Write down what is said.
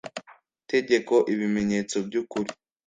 tegeko ibimenyetso by ukuri